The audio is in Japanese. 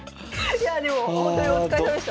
いやあでもほんとにお疲れさまでした。